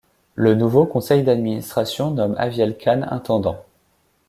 Le nouveau conseil d'administration nomme Aviel Cahn intendant.